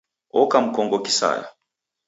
Oka mkongo kisaya